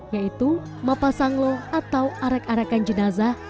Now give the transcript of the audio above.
yaitu mapasanglo atau arak arakan jenazah